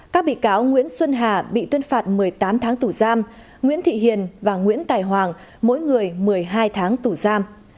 các bị cáo nguyễn xuân hà bị tuyên phạt một mươi tám tháng tù giam nguyễn thị hiền và nguyễn tài hoàng mỗi người một mươi hai tháng tù giam